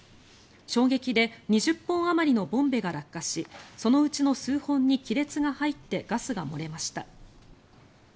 衝撃で２０本あまりのボンベが落下しそのうちの数本に亀裂が入ってガスが漏れました。